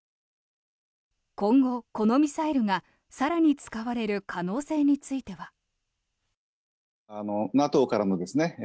今後、このミサイルが更に使われる可能性については。